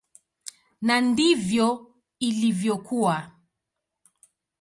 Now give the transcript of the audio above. Na ndivyo ilivyokuwa.